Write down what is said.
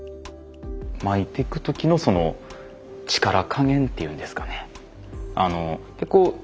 巻いてく時の力加減っていうんですかね。